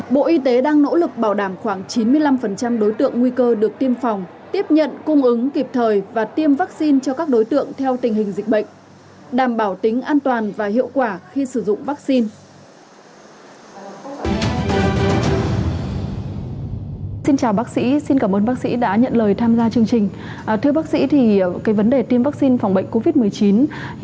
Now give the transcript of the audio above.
bộ y tế đang nỗ lực bảo đảm khoảng chín mươi năm đối tượng nguy cơ được tiêm phòng tiếp nhận cung ứng kịp thời và tiêm vaccine cho các đối tượng theo tình hình dịch bệnh